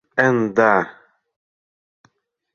Н-да...»